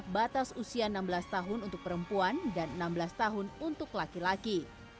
batas usia enam belas tahun untuk perempuan dan enam belas tahun untuk laki laki